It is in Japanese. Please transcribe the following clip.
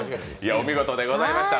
お見事でございました。